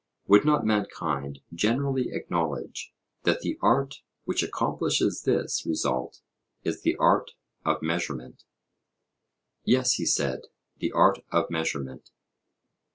Would not mankind generally acknowledge that the art which accomplishes this result is the art of measurement? Yes, he said, the art of measurement.